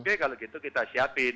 oke kalau gitu kita siapin